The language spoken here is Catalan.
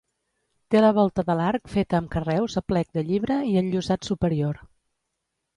Té la volta de l'arc feta amb carreus a plec de llibre i enllosat superior.